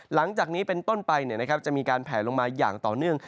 หลังจากนี้เป็นต้นไปจะมีการแผลลงมาอย่างต่อเนื่อง